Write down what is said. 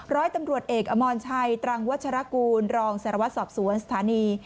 ร้อยตำรวจเอกอมรชัยตรังวัชรกูลรองสารวัตรสอบสวนสถานี